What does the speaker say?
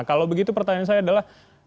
kalau begitu pertanyaan saya adalah